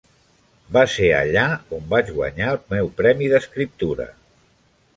Va ser allà on vaig guanyar el meu premi d'escriptura.